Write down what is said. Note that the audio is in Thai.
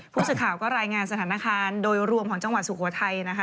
ผู้สื่อข่าวก็รายงานสถานการณ์โดยรวมของจังหวัดสุโขทัยนะคะ